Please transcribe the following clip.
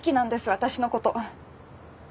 私のこと。